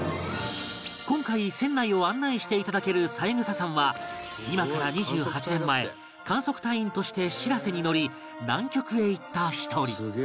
今回船内を案内していただける三枝さんは今から２８年前観測隊員としてしらせに乗り南極へ行った１人